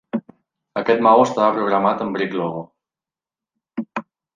Aquest maó estava programat en Brick Logo.